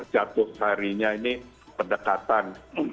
jatuh seharinya ini pendekatan